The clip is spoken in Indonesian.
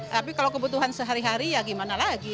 tapi kalau kebutuhan sehari hari ya gimana lagi